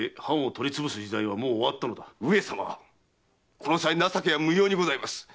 この際情けは無用にございます。